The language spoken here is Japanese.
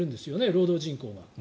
労働人口が。